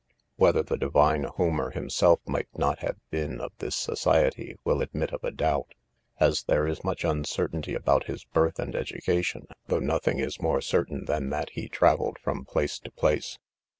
Whether the divine Homer himself might not have been of this society, will admit of a doubt, as there is much uncertainty about his birth and education, though nothing is more certain than that he travelled from place to place.